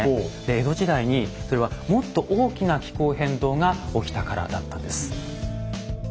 江戸時代にそれはもっと大きな気候変動が起きたからだったんです。